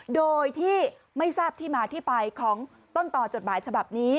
โดยที่ไม่ทราบที่มาที่ไปของต้นต่อจดหมายฉบับนี้